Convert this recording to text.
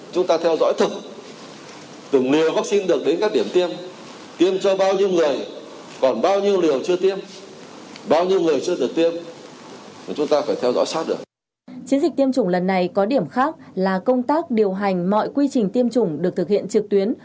chiến dịch tiêm chủng lần này có điểm khác là công tác điều hành mọi quy trình tiêm chủng được thực hiện trực tuyến